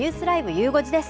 ゆう５時です。